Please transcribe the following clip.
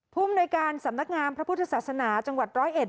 ภูมิในการสำนักงามพระพุทธศาสนาจังหวัดร้อยเอ็ด